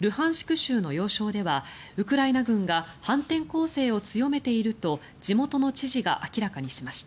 州の要衝ではウクライナ軍が反転攻勢を強めていると地元の知事が明らかにしました。